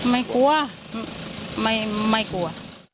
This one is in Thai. ไม่กลัวไม่กลัว